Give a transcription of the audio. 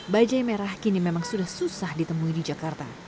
bajaj merah kini memang sudah susah ditemui di jakarta